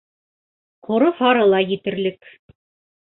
Ҡоро- һары ла етерлек.